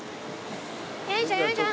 よいしょよいしょ！